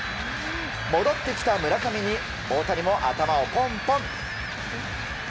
戻ってきた村上に大谷も頭をポンポン。